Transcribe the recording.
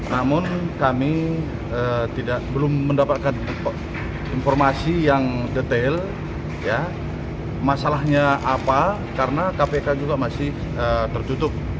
namun kami belum mendapatkan informasi yang detail masalahnya apa karena kpk juga masih tertutup